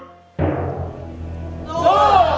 สู้